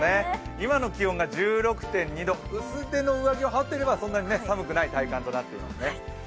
今の気温が１６．２度薄手の上着を羽織っていればそんなに寒くない体感となっていますね。